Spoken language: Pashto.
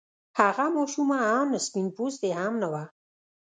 هغه ماشومه آن سپين پوستې هم نه وه.